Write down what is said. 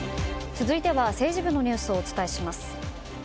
続いては政治部のニュースをお伝えします。